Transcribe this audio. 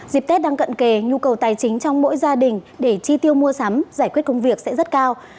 dịp tết đang cận kề nhu cầu tài chính trong mỗi gia đình để chi tiêu mua sắm giải quyết công việc sẽ rất cao